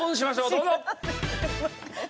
どうぞ！